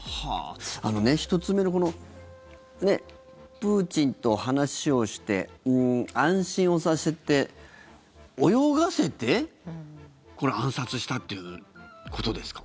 １つ目のプーチンと話をして安心をさせて、泳がせて暗殺したっていうことですか？